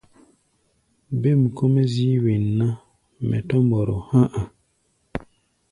Bêm kɔ́-mɛ́ zíí wen ná, mɛ tɔ̧́ mbɔrɔ há̧ a̧.